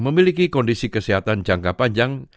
memiliki kondisi kesehatan jangka panjang